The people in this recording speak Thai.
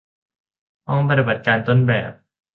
ห้องปฏิบัติการต้นแบบ